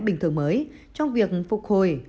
bình thường mới trong việc phục hồi